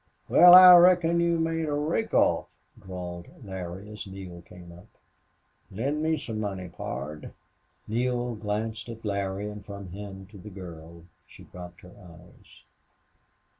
"Wal, I reckon you made a rake off," drawled Larry, as Neale came up. "Lend me some money, pard." Neale glanced at Larry and from him to the girl. She dropped her eyes.